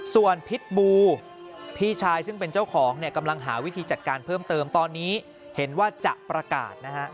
ส่วนพิษบูพี่ชายซึ่งเป็นเจ้าของเนี่ยกำลังหาวิธีจัดการเพิ่มเติมตอนนี้เห็นว่าจะประกาศนะฮะ